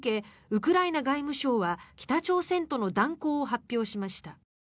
ウクライナ外務省は北朝鮮との断交を発表しました。